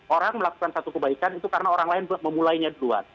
orang melakukan satu kebaikan itu karena orang lain memulainya duluan